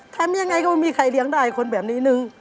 ทำยังไงก็ไม่มีใครเลี้ยงได้คนแบบนี้นึง